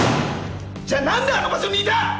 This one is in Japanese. じゃ何であの場所にいた！